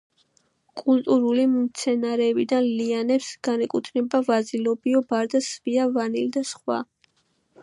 კულტურული მცენარეებიდან ლიანებს განეკუთვნება ვაზი, ლობიო, ბარდა, სვია, ვანილი და სხვა.